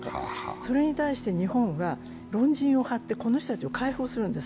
それに対して日本が論陣を張ってこの人たちを解放するんです。